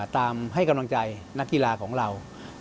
ให้กำลังใจนักกีฬาของเรา